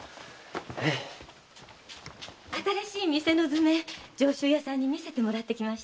新しい店の図面上州屋さんに見せてもらってきました。